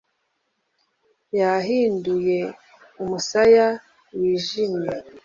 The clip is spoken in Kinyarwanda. yaguhinduye umusaya wijimye